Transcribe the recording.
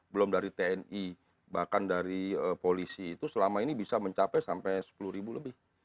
belum dari tni bahkan dari polisi itu selama ini bisa mencapai sampai sepuluh ribu lebih